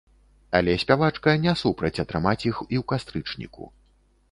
Але спявачка не супраць атрымаць іх і ў кастрычніку.